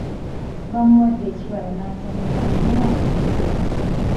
Bamuwadde ekibala n'asanyuka nnyo.